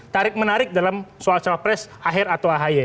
tarik menarik dalam soal cawapres aher atau ahy